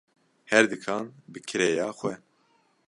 Her dikan bi kirêya xwe.